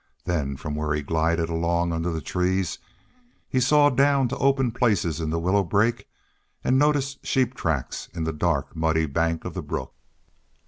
Then from where he glided along under the trees he saw down to open places in the willow brake and noticed sheep tracks in the dark, muddy bank of the brook.